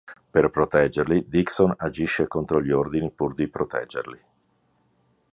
Per proteggerli, Dixon agisce contro gli ordini pur di proteggerli.